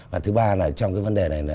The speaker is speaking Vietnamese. và thứ ba là trong cái vấn đề này